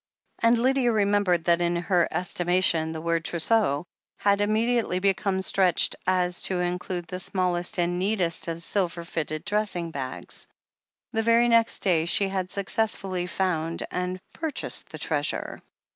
And Lydia remembered that, in her estimation, the word "trousseau" had immediately become stretched so as to include the smallest and neatest of silver fitted dressing bags. The very next day she had successfully found and purchased the treasure.